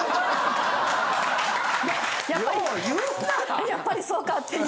やっぱりやっぱりそうかっていう。